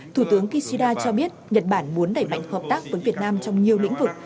thủ tướng kishida cho biết nhật bản muốn đẩy mạnh hợp tác với việt nam trong nhiều lĩnh vực